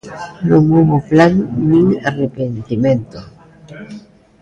Non houbo plan nin arrepentimento.